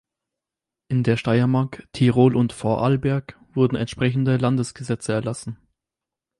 In der Steiermark, Tirol und Vorarlberg wurden entsprechende Landesgesetze erlassen.